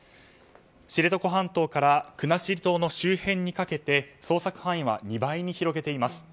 知床半島から国後島の周辺にかけ捜索範囲は２倍に広げています。